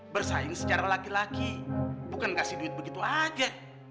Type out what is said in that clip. bersaing secara laki laki bukan kasih duit begitu aja